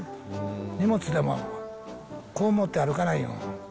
荷物でも、こう持って歩かないように。